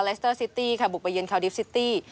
เลสเตอร์ซิตี้ค่ะบุปเย็นคาวดิฟต์ซิตี้